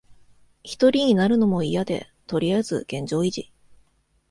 ひとりになるのもいやで、とりあえず現状維持。